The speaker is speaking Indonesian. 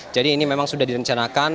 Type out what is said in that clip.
jadi ini memang sudah direncanakan